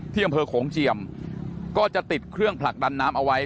ที่อำเภอโขงเจียมก็จะติดเครื่องผลักดันน้ำเอาไว้